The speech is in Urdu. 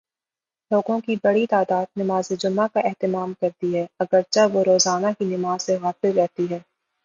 لوگوں کی بڑی تعداد نمازجمعہ کا اہتمام کرتی ہے، اگر چہ وہ روزانہ کی نماز سے غافل رہتی ہے۔